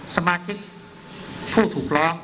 สมาชิกผู้ถูกร้อง